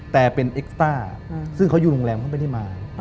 แต่เป็นเอ็กซ์ต้าซึ่งเขาอยู่โรงแรมเขาไม่ได้มา